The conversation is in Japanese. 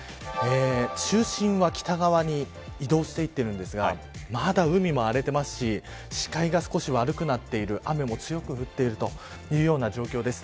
中心は北側に移動していっているんですがまだ海も荒れてますし視界が少し悪くなっている雨も強く降っている状況です。